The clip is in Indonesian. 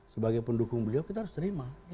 sebagai pendukung beliau kita harus terima